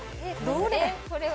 どれ？